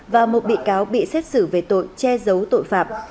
và một bị cáo bị xét xử về tội che giấu tội phạm